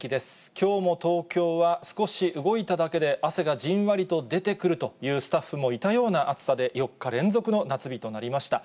きょうも東京は、少し動いただけで汗がじんわりと出てくるというスタッフもいたような暑さで、４日連続の夏日となりました。